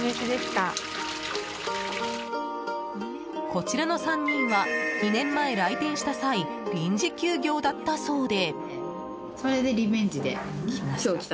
こちらの３人は２年前来店した際臨時休業だったそうで。